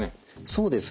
そうですね。